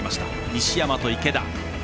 西山と池田。